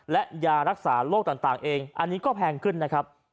และยารักษาโรคต่างเองอันนี้ก็แพงขึ้นนะครับ